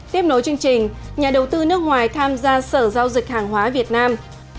tiếp nối chương trình nhà đầu tư nước ngoài tham gia sở giao dịch hàng hóa việt nam